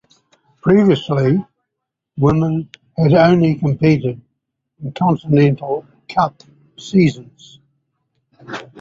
Previously, women had only competed in Continental Cup seasons.